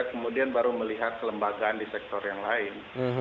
kemudian baru melihat kelembagaan di sektor yang lain